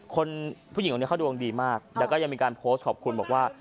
คนผู้หญิงคนนี้เขาดวงดีมากแล้วก็ยังมีการโพสต์ขอบคุณบอกว่า